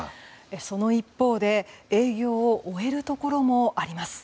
その一方で営業を終えるところもあります。